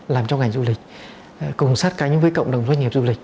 làm cho ngành du lịch cùng sát cánh với cộng đồng doanh nghiệp du lịch